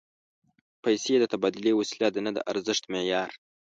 پیسې د تبادلې وسیله ده، نه د ارزښت معیار